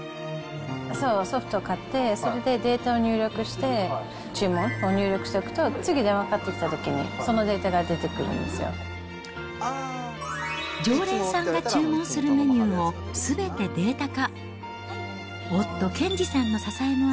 ソフト買って、それでデータを入力して、注文を入力しておくと、次、電話かかってきたときに、常連さんが注文するメニューをすべてデータ化。